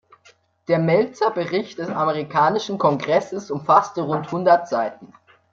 Der Meltzer-Bericht des amerikanischen Kongresses umfasste rund hundert Seiten.